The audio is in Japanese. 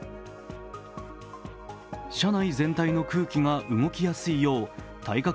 車内全体の空気が動きやすいよう対角